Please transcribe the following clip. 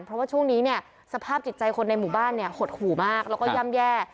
เพราะว่าช่วงนี้เนี่ยสภาพจิตใจคนในหมู่บ้านเนี่ยหดหู่มากแล้วก็ย่ำแย่